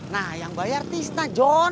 nah yang bayar tista john